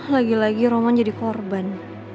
lagi lagi roman jadi korban